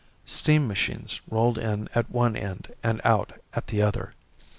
Steam machines rolled in at one end and out at the other.